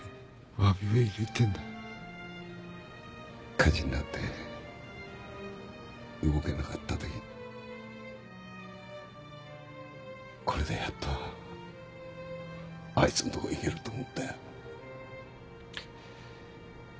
火事になって動けなかったときこれでやっとあいつんとこ行けると思ったよ。